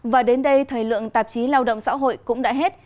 và đến đây thời lượng tạp chí lao động xã hội cũng đã hết